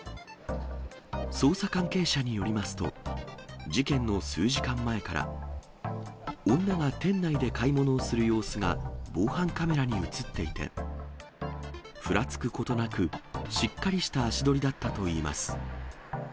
捜査関係者によりますと、事件の数時間前から、女が店内で買い物をする様子が防犯カメラに写っていて、ふらつくことなく、しっかりした足取りだったといいます。